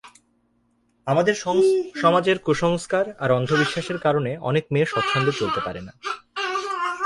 আমাদের সমাজের কুসংস্কার আর অন্ধবিশ্বাসের কারণে অনেক মেয়ে স্বচ্ছন্দে চলতে পারে না।